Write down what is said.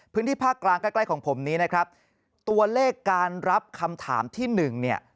พื้นที่ภาคกลางใกล้ใกล้ของผมนี้นะครับตัวเลขการรับคำถามที่หนึ่งเนี่ย